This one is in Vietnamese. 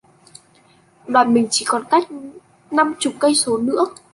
Đoàn mình chỉ còn cách năm chục cây số nữa thôi